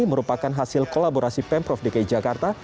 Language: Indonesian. merupakan hasil kolaborasi pemprov dki jakarta